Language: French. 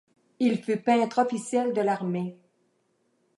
Il fut peintre officiel de l'armée.